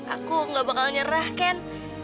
aku gak bakal nyerah kan